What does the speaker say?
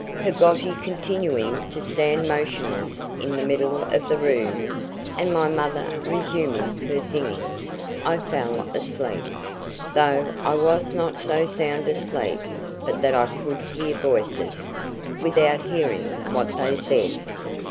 Peggotty continuing to stand motionless in the middle of the room, and my mother resuming her singing, I fell asleep, though I was not so sound asleep but that I could hear voices, without hearing what they said.